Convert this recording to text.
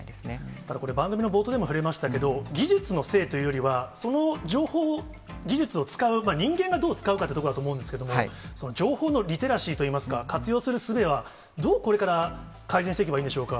ただこれ、番組の冒頭でも触れましたけど、技術のせいというよりは、その情報を、技術を使う、人間がどう使うかっていうところだと思うんですけれども、情報のリテラシーといいますか、活用するすべは、どう、これから改善していけばいいんでしょうか。